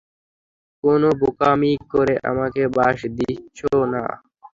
কোন বোকামি করে আমাকেও বাঁশ দিছ না।